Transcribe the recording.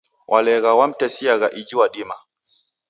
Waleghwa wamtesiagha iji wadima.